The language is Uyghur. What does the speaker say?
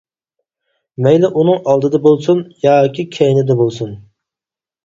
مەيلى ئۇنىڭ ئالدىدا بولسۇن، ياكى كەينىدە بولسۇن.